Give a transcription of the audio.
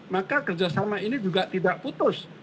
maka kerjasama ini juga tidak putus